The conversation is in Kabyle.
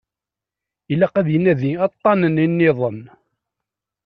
Ilaq ad inadi aṭṭanen nniḍen.